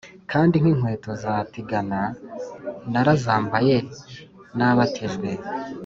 kandi n’inkweto za tigana narazambaye nabatijwe